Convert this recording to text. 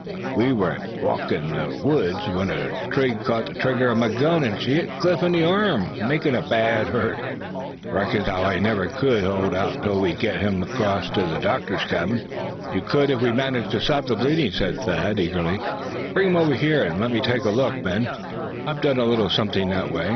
"We was walkin' thro' ther woods w'en a twig cort the trigger o' my gun, and she hit Cliff in the arm, makin' a bad hurt. Reckons as how he never kin hold out till we uns git him acrost ter ther doc's cabin." "You could, if we managed to stop that bleeding," said Thad, eagerly. "Bring him over here, and let me take a look, men. I've done a little something that way.